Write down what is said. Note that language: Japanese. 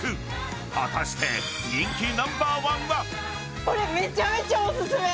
果たして人気ナンバー１は？